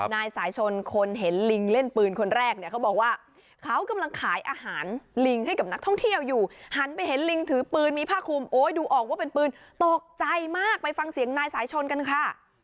นายสายชนคนเห็นลิงเล่นปืนคนแรกเนี่ยเขาบอกว่าเขากำลังขายอาหารลิงให้กับนักท่องเที่ยวอยู่หันไปเห็นลิงถือปืนมีผ้าคุมโอ้ยดูออกว่าเป็นปืนตกใจมากไปฟังเสียงนายสายชนกันค่ะ